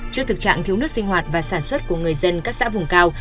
trước thực trạng thiếu nước sinh hoạt và sản xuất của người dân các xã vùng cao